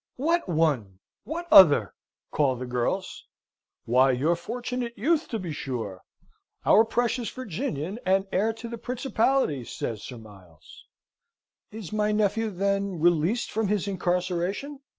"What one, what other?" call the girls. "Why, your fortunate youth, to be sure." "Our precious Virginian, and heir to the principality!" says Sir Miles. "Is my nephew, then, released from his incarceration?"